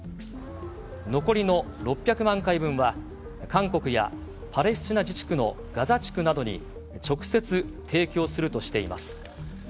残りの６００万回分は、韓国やパレスチナ自治区のガザ地区などに、直接提供するとしています。